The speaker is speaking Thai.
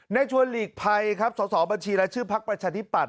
ในชวนหลีกภัยส่อบัญชีและชื่อภักดิ์ประชาธิบัตร